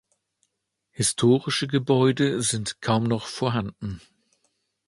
Historische Gebäude sind kaum noch vorhanden.